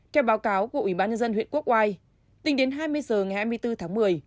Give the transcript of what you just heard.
theo báo cáo của ủy ban nhân dân huyện quốc oai tính đến hai mươi h ngày hai mươi bốn tháng một mươi